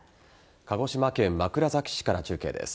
鹿児島県枕崎市から中継です。